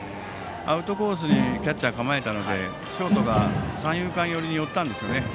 アウトコースにキャッチャーが構えたのでショートが三遊間寄りに寄ったんですね。